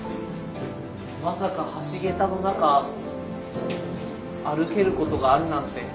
まさか橋桁の中歩けることがあるなんて。